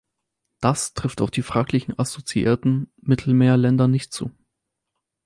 Das trifft auf die fraglichen assoziierten Mittelmeerländer nicht zu.